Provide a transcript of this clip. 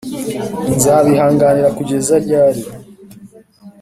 Nzabihanganira kugeza ryari?